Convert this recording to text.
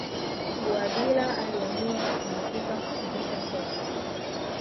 guardiola aliamua kupumzika kufundisha soka